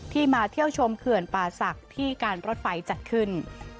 มาเที่ยวชมเขื่อนป่าศักดิ์ที่การรถไฟจัดขึ้น